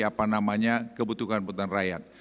apa namanya kebutuhan kebutuhan rakyat